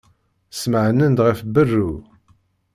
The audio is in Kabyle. Smeɛnen-d ɣef berru.